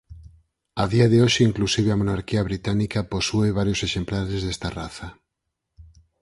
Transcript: A día de hoxe inclusive a monarquía británica posúe varios exemplares desta raza.